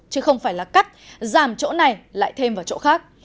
chứ không phải là cắt giảm chỗ này lại thêm vào chỗ khác